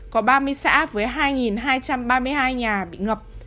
có ba mươi xã với hai hai trăm ba mươi hai nhà bị ngập